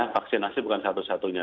vaksinasi bukan satu satunya